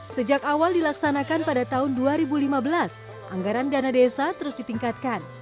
sejak awal dilaksanakan pada tahun dua ribu lima belas anggaran dana desa terus ditingkatkan